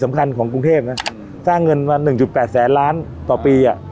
สำคัญของกรุงเทพนะสร้างเงินมา๑๘แสนล้านต่อปี